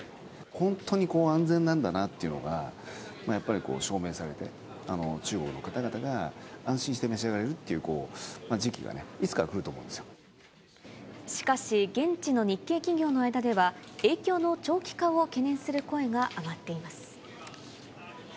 本当に安全なんだなっていうのがやっぱり証明されて、中国の方々が安心して召し上がれるっていう時期がね、いつかは来しかし、現地の日系企業の間では、影響の長期化を懸念する声が上がっています。